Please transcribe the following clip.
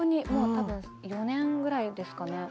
４年ぐらいですかね。